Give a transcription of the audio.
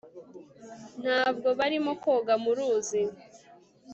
ntabwo barimo koga mu ruzi